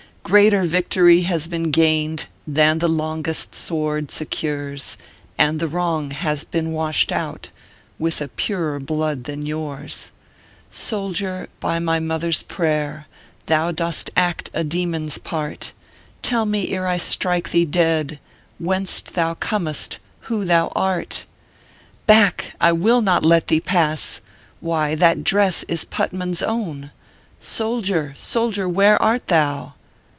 " Greater victory has been gained Than the longest sword secures, And the Wrong has been washed out With a purer blood than yours." Soldier, by my mother s pray r ! Thou dost act a demon s part ; Tell me, ere I strike thee dead, Whence thou comest, who thou art Back! I will not let thee pass Why, that dress is Putnam s own! Soldier, soldier, where art thou?